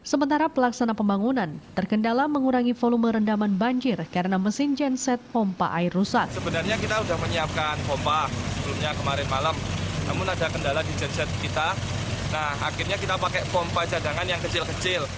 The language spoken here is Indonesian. sementara pelaksana pembangunan terkendala mengurangi volume rendaman banjir karena mesin genset pompa air rusak